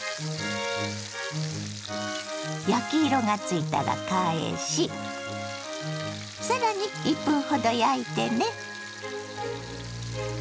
焼き色がついたら返しさらに１分ほど焼いてね。